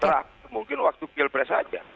serah mungkin waktu pilpres saja